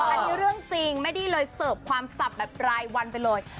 อันนี้เรื่องจริงแม่ดี้เลยเสิร์ฟความสับแบบรายวันไปเลย